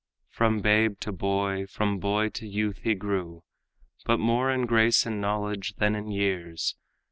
From babe to boy, from boy to youth he grew, But more in grace and knowledge than in years.